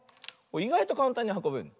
いがいとかんたんにはこべるの。